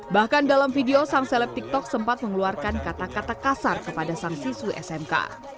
bahkan dalam video sang seleb tiktok sempat mengeluarkan kata kata kasar kepada sang siswi smk